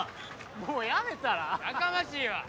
・もうやめたら？やかましいわ！